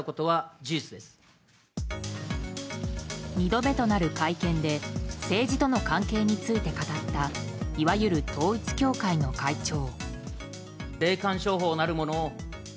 ２度目となる会見で政治との関係について語ったいわゆる統一教会の会長。